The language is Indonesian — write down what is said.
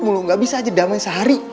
mulu ga bisa aja damai sehari